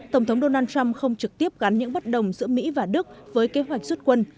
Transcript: tổng thống donald trump không trực tiếp gắn những bất đồng giữa mỹ và đức với kế hoạch rút quân